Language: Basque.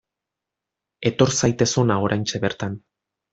Etor zaitez hona oraintxe bertan!